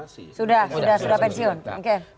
sudah sudah pensiun